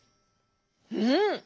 うん！